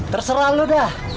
terserah lo dah